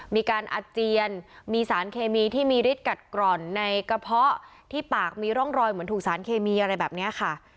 มีการอาเจียนมีสารเคมีที่มีฤทธิกัดกร่อนในกระเพาะที่ปากมีร่องรอยเหมือนถูกสารเคมีอะไรแบบนี้ค่ะ